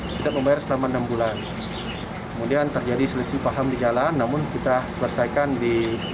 kita membayar selama enam bulan kemudian terjadi selisih paham di jalan namun kita selesaikan di